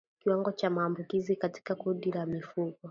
Kiwango cha maambukizi katika kundi la mifugo